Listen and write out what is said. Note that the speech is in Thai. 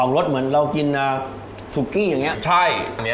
ออกรสเหมือนเรากินอ่าสุกี้อย่างเงี้ยใช่อันเนี้ย